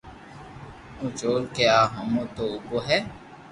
او چور ڪي آ ھومو تو اوڀو ھي